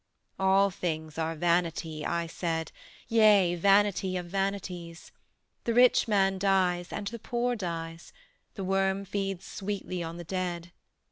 All things are vanity, I said, Yea, vanity of vanities. The rich man dies; and the poor dies; The worm feeds sweetly on the dead.